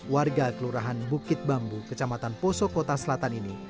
warga kelurahan bukit bambu kecamatan poso kota selatan ini